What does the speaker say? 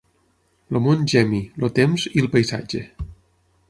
el mont Gemi, el Temps i el Paisatge.